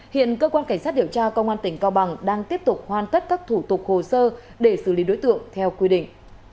hiện cơ quan cảnh sát điều tra công an tỉnh cao bằng đang tiếp tục hoàn tất các thủ tục hồ sơ để xử lý đối tượng theo quy định